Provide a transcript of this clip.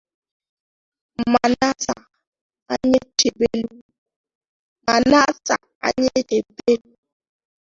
Manasseh Anyachebelu